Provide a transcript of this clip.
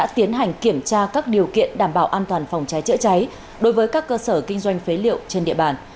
tiến hành kiểm tra các điều kiện đảm bảo an toàn phòng cháy chữa cháy đối với các cơ sở kinh doanh phế liệu trên địa bàn